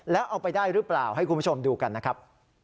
แล้วเอาไปได้หรือเปล่าให้คุณผู้ชมดูกันนะครับ